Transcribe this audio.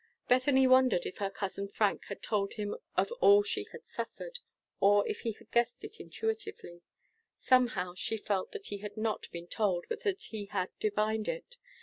Bethany wondered if her cousin Frank had told him of all she had suffered, or if he had guessed it intuitively. Somehow she felt that he had not been told, but that he had divined it.